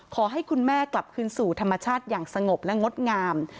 ขอให้คุณแม่กลับคืนสู่ธรรมชาติอย่างสงบและงดงาม